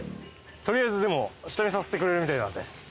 取りあえず下見させてくれるみたいなんで。